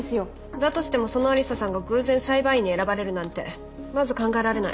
だとしてもその愛理沙さんが偶然裁判員に選ばれるなんてまず考えられない。